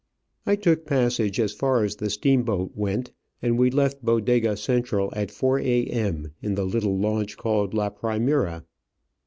I took passage as far as the steamboat went, and we left Bodega Central at four a.m. in the little launch called La Primera.